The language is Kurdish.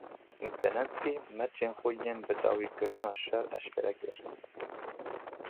Zelenskiy mercên xwe yên bidawîkirina şer eşkere kir.